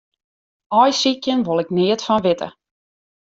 Aaisykjen wol ik neat fan witte.